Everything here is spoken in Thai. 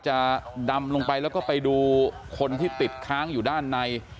จะดำลงไปแล้วก็ไปดูคนที่ติดค้างอยู่ด้านใน